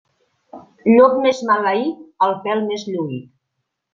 Llop més maleït, el pèl més lluït.